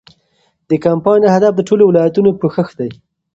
د کمپاین هدف د ټولو ولایتونو پوښښ دی.